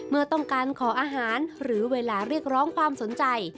เมื่อต้องการขออาหารหรือเวลาเรียกร้องความสนใจ